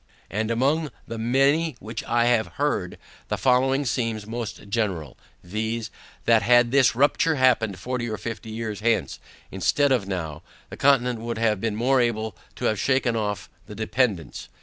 And among the many which I have heard, the following seems most general, viz. that had this rupture happened forty or fifty years hence, instead of NOW, the Continent would have been more able to have shaken off the dependance.